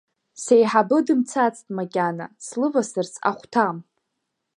Сеиҳабы дымцацт макьана, слывасырц ахәҭам.